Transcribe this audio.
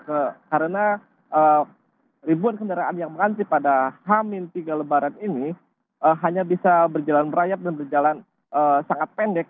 karena ribuan kendaraan yang mengantri pada hamil tiga lebaran ini hanya bisa berjalan berayap dan berjalan sangat pendek